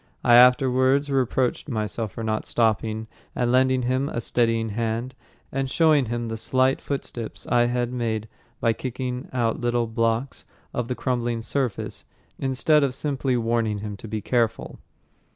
I afterwards reproached myself for not stopping and lending him a steadying hand, and showing him the slight footsteps I had made by kicking out little blocks of the crumbling surface, instead of simply warning him to be careful.